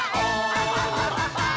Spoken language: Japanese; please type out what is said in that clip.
アハハハハ！